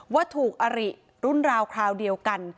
ว่าถูกอริรุ่นราวคราวเดียวกัน